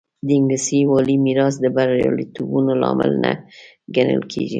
د انګلیسي والي میراث د بریالیتوبونو لامل نه ګڼل کېږي.